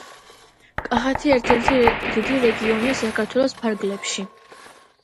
კახეთი ერთ-ერთი დიდი რეგიონია საქართველოს ფარგლებში.